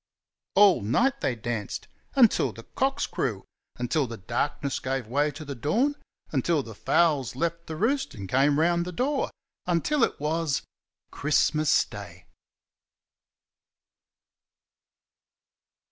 All night they danced until the cocks crew until the darkness gave way to the dawn until the fowls left the roost and came round the door until it was Christmas Day!